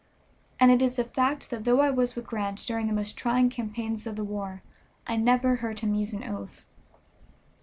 And it is a fact that though I was with Grant during the most trying campaigns of the war, I never heard him use an oath.